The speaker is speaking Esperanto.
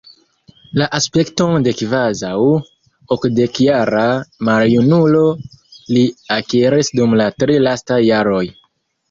La aspekton de kvazaŭ okdekjara maljunulo li akiris dum la tri lastaj jaroj.